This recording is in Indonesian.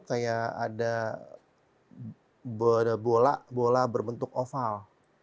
kayak ada bola bola berbentuk oval